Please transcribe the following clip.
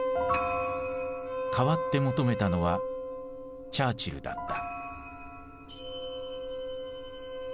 かわって求めたのはチャーチルだった。